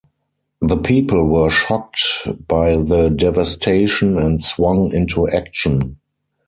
The people were shocked by the devastation and swung into action.